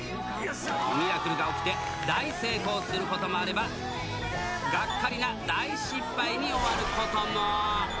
ミラクルが起きて、大成功することもあれば、がっかりな大失敗に終わることも。